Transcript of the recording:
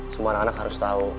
semua anak anak harus tahu